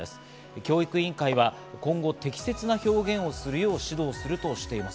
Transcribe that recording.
教育委員会は今後、適切な表現をするよう指導するとしています。